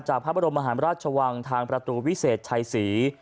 พระบรมมหารราชวังทางประตูวิเศษชัยศรี